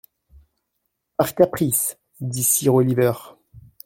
Par caprice, dit sir Olliver.